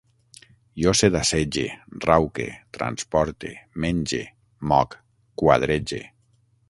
Jo sedassege, rauque, transporte, menge, moc, quadrege